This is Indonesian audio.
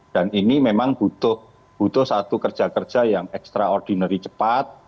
dan ini memang butuh satu kerja kerja yang extraordinary cepat